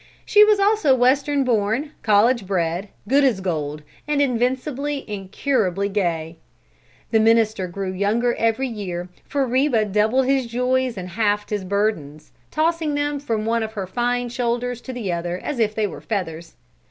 She was also Western born, college bred, good as gold, and invincibly, incurably gay. The minister grew younger every year, for Reba doubled his joys and halved his burdens, tossing them from one of her fine shoulders to the other as if they were feathers.